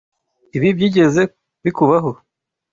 Ibi byigeze bikubaho?